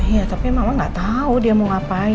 iya tapi mama gak tahu dia mau ngapain